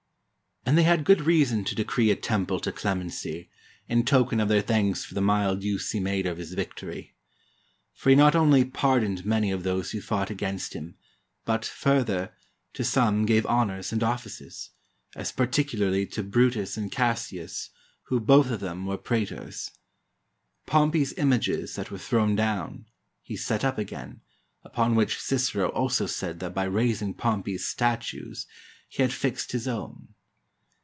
] And they had good reason to decree a temple to Clem ency, in token of their thanks for the mild use he made of his victory. For he not only pardoned many of those who fought against him, but, further, to some gave hon ors and offices; as particularly to Brutus and Cassius, who both of them were praetors. Pompey's images that were thrown down, he set up again, upon which Cicero also said that by raising Pompey's statues he had fixed his own.